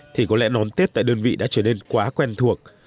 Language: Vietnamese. thì có lẽ nón tết tại đơn vị đã trở nên quá quen thuộc